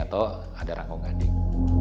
atau ada rangkong gading